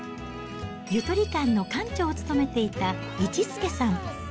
ゆとり館の館長を務めていた一助さん。